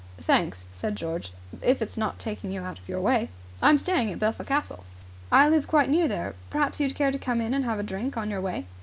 "Thanks," said George. "If it's not taking you out your way." "I'm staying at Belpher Castle." "I live quite near there. Perhaps you'd care to come in and have a drink on your way?"